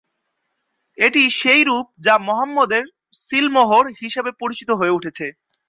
এটি সেই রূপ যা "মোহাম্মদের সীলমোহর" হিসাবে পরিচিত হয়ে উঠেছে।